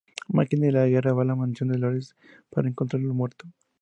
Máquina de Guerra va a la mansión de Dolores, solo para encontrarlo muerto.